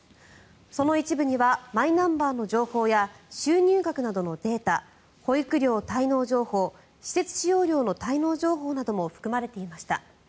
その一部にはマイナンバーの情報や収入額などのデータ保育料滞納情報、施設使用料の滞納情報なども含まれていました。